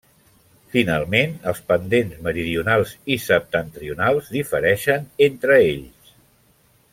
Finalment, els pendents meridionals i septentrionals difereixen entre ells.